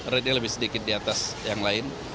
rate nya lebih sedikit di atas yang lain